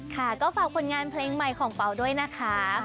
ค่ะก็ฝากผลงานเพลงใหม่ของเปล่าด้วยนะคะ